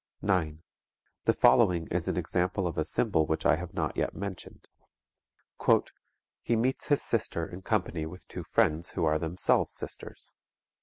9. The following is an example of a symbol which I have not yet mentioned: "_He meets his sister in company with two friends who are themselves sisters.